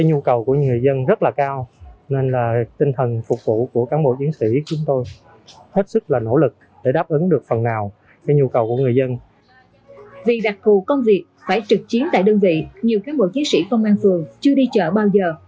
nhiều cán bộ chiến sĩ công an phường chưa đi chợ bao giờ